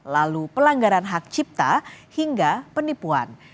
lalu pelanggaran hak cipta hingga penipuan